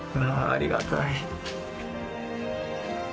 ありがたい。